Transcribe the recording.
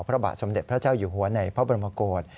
พระบาทสมเด็จพระเจ้าอยู่หัวในพระบรมกฏ